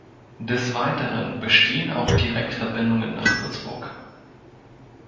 Des Weiteren bestehen auch Direktverbindungen nach Würzburg.